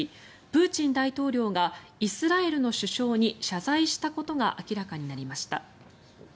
プーチン大統領がイスラエルの首相に謝罪したことが明らかになりました。